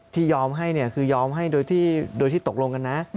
ยอมให้เนี่ยคือยอมให้โดยที่ตกลงกันนะ